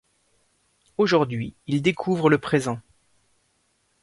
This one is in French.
Aujourd’hui il découvre le présent